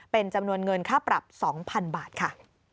เป็นจำนวนเงินค่าปรับ๒๐๐๐บาทค่ะ